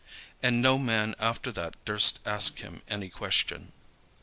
And no man after that durst ask him any question.